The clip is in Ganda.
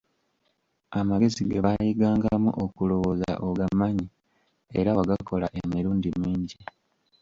Amagezi ge baayigangamu okulowooza ogamanyi era wagakola emirundi mingi.